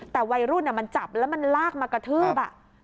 แต่วัยรุ่นมันจับแล้วมันลากมากระทืบ